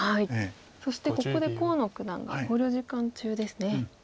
そしてここで河野九段が考慮時間中ですね。